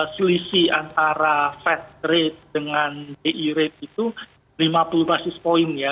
selisih antara fed rate dengan bi rate itu lima puluh basis point ya